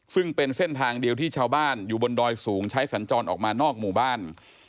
ซึ่งเป็นเส้นทางเดียวที่ชาวบ้านอยู่บนดอยสูงใช้สัญจรออกมานอกหมู่บ้าน